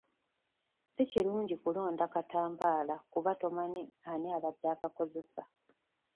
Si kirungi kulonda katambaala kuba tomanyi ani abadde akakozesa.